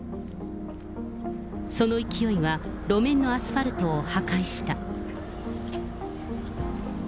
その勢いは、路面のアスファルトを破壊した。